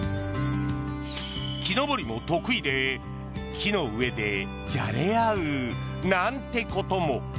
木登りも得意で、木の上でじゃれ合うなんてことも。